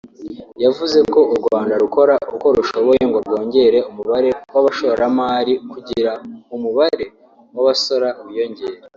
yavuze ko u Rwanda rukora uko rushoboye ngo rwongere umubare w’abashoramari kugira umubare w’abasora wiyongere